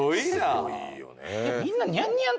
すごいよね。